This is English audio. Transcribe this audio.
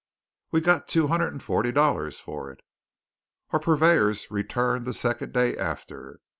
We got two hundred and forty dollars for it. Our purveyors returned the second day after.